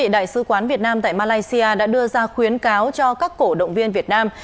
đại sứ quán việt nam tại malaysia đã đưa ra khuyến cáo cho các cổ động viên việt nam